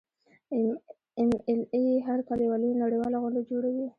ایم ایل اې هر کال یوه لویه نړیواله غونډه جوړوي.